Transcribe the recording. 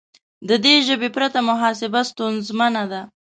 د دې ژبې پرته محاسبه ستونزمنه ده.